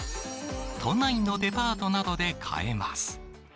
都内のデパートなどで買えます。